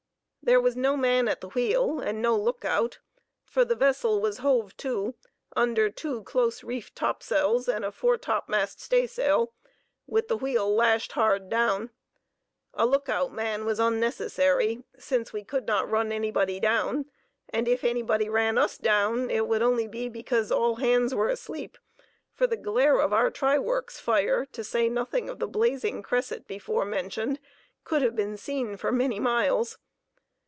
There was no man at the wheel and no look out, for the vessel was "hove to" under two close reefed topsails and foretopmast staysail, with the wheel lashed hard down. A look out man was unnecessary, since we could not run anybody down, and if anybody ran us down, it would only be because all hands were asleep, for the glare of our try works fire, to say nothing of the blazing cresset before mentioned, could have been seen for many miles.